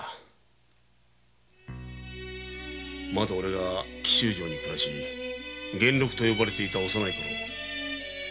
オレがまだ紀州城で暮らし「源六」と呼ばれていた幼いころだ。